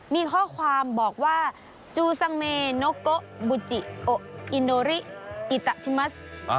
มีข้อความบอกว่าจูซังเมโนโกบุจิโออินโดริอิตะชิมัส